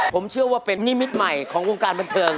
ผมเชื่อว่าเป็นนิมิตใหม่ของวงการบันเทิง